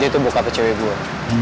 dia itu bokap cewek gue